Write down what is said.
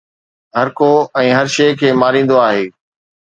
هرڪو ۽ هر شيء کي ماريندو آهي